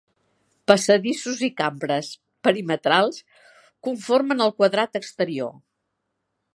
Passadissos i cambres perimetrals conformen el quadrat exterior.